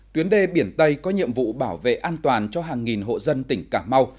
tuyến đê biển tây có nhiệm vụ bảo vệ an toàn cho hàng nghìn hộ dân tỉnh cà mau